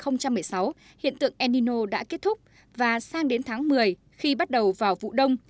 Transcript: năm hai nghìn một mươi sáu hiện tượng enino đã kết thúc và sang đến tháng một mươi khi bắt đầu vào vụ đông